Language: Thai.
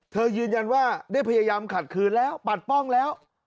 ยืนยันว่าได้พยายามขัดคืนแล้วปัดป้องแล้ว